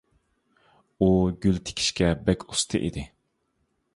ئۇ گۈل تىكىشكە بەك ئۇستا ئىدى.